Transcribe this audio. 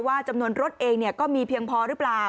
จำนวนรถเองก็มีเพียงพอหรือเปล่า